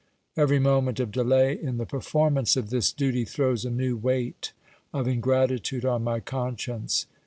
Every moment of delay in the performance of this duty throws a new weight of ingratitude on my conscience.